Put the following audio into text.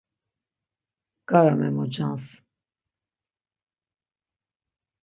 Bgara memocans.